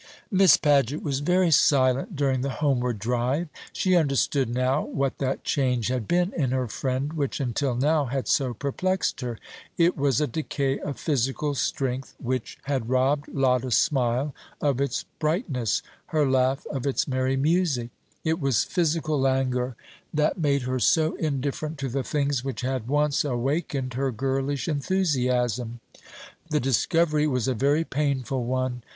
Miss Paget was very silent during the homeward drive. She understood now what that change had been in her friend which until now had so perplexed her. It was a decay of physical strength which had robbed Lotta's smile of its brightness, her laugh of its merry music. It was physical languor that made her so indifferent to the things which had once awakened her girlish enthusiasm. The discovery was a very painful one.